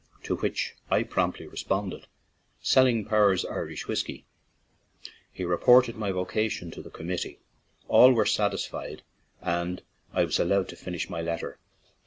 to which I promptly responded, "Sell ing Power's Irish whiskey/' He reported my vocation to "the committee," all were satisfied and I was allowed to finish my letter.